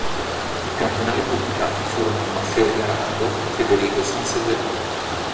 I cardinali pubblicati furono Maffeo Gherardo e Federico Sanseverino.